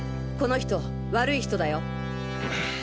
この人悪い人だよ。